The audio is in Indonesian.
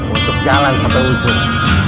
untuk jalan sampe ujung